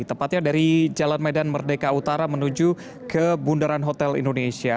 tepatnya dari jalan medan merdeka utara menuju ke bundaran hotel indonesia